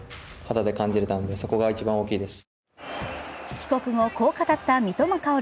帰国後、こう語った三笘薫。